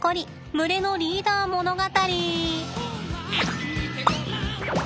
群れのリーダー物語！